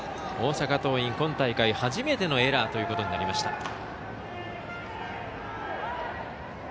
大阪桐蔭、今大会初めてのエラーということになりました。